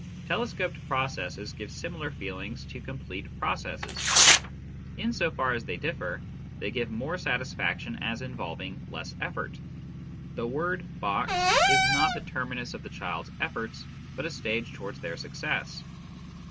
Telescoped processes give similar feelings to complete pro cesses ; in so far as they differ, they give more satisfaction as involving less effort. The word " box " is not the terminus of the child's efforts, but a stage towards their success.